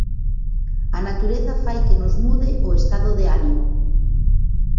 A natureza fai que nos mude o estado de ánimo.